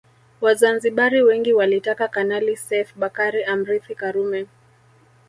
Wazanzibari wengi walitaka Kanali Seif Bakari amrithi Karume